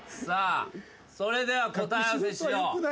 それでは答え合わせしよう。